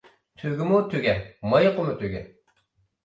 تۆگىمۇ تۆگە، مايىقىمۇ تۆگە.